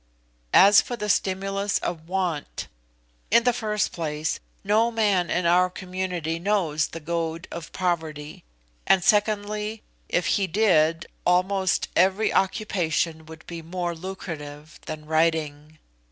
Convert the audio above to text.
As for the stimulus of want; in the first place, no man in our community knows the goad of poverty; and, secondly, if he did, almost every occupation would be more lucrative than writing.